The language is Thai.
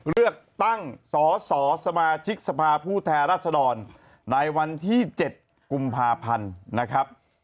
เลือกตั้งสสสมาชิกสภาผู้แทนรัศดรในวันที่๗กุมภาพันธ์นะครับ